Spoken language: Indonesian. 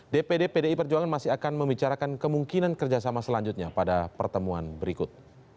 dpd pdi perjuangan masih akan membicarakan kemungkinan kerjasama selanjutnya pada pertemuan berikut